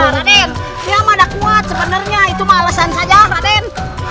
raden dia tidak kuat sebenarnya itu malesan saja raden